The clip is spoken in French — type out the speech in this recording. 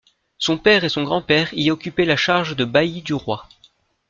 Son père et son grand-père y occupaient la charge de bailli du roi.